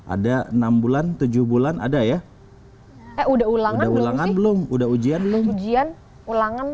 ada enam bulan tujuh bulan ada ya udah ulang udah ulangan belum udah ujian belum ujian ulangan